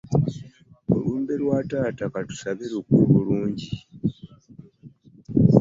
Olumbe lwa taata ka tusabe luggwe bulungi.